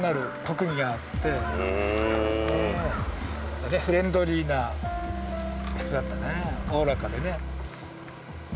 それでフレンドリーな人だったねおおらかでね。